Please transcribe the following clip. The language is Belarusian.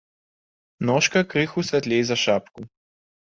Ножка крыху святлей за шапку.